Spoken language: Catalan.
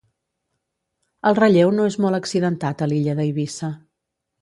El relleu no és molt accidentat a l'illa d'Eivissa.